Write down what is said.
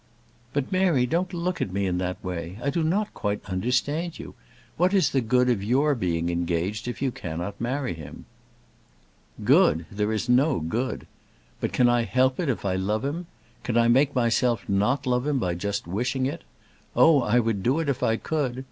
"But, Mary, don't look at me in that way. I do not quite understand you. What is the good of your being engaged if you cannot marry him?" "Good! there is no good. But can I help it, if I love him? Can I make myself not love him by just wishing it? Oh, I would do it if I could.